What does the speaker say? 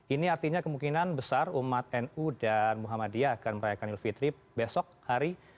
ini artinya kemungkinan besar umat nu dan muhammadiyah akan merayakan idul fitri besok hari